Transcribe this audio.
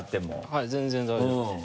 はい全然大丈夫です。